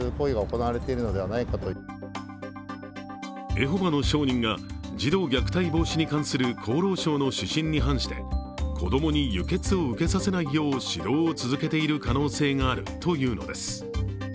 エホバの証人が児童虐待防止に関する厚労省の指針に反して、子供に輸血を受けさせないよう指導を続けている可能性があるというのです。